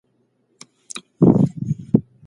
تعليم له ناپوهۍ څخه ډېر غوره دی.